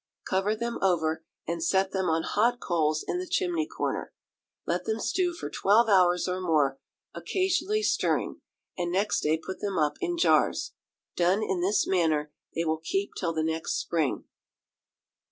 Cover them over, and set them on hot coals in the chimney corner. Let them stew for twelve hours or more, occasionally stirring, and next day put them up in jars. Done in this manner, they will keep till the next spring.